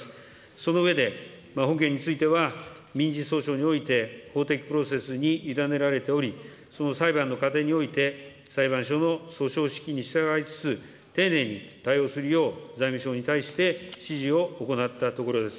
その上で、本件については、民事訴訟において法的プロセスに委ねられており、その裁判の過程において、裁判所の訴訟しきに従いつつ、丁寧に対応するよう財務省に対して、指示を行ったところです。